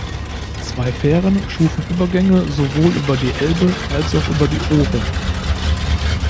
Zwei Fähren schufen Übergänge sowohl über die Elbe als auch über die Ohre.